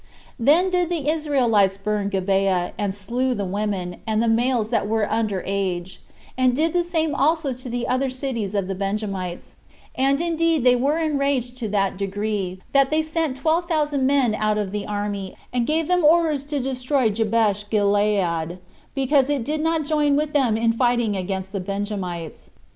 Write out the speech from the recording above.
Then did the Israelites burn Gibeah, and slew the women, and the males that were under age; and did the same also to the other cities of the Benjamites; and, indeed, they were enraged to that degree, that they sent twelve thousand men out of the army, and gave them orders to destroy Jabesh Gilead, because it did not join with them in fighting against the Benjamites.